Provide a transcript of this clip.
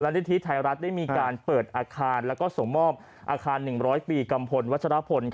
นิธิไทยรัฐได้มีการเปิดอาคารแล้วก็ส่งมอบอาคาร๑๐๐ปีกัมพลวัชรพล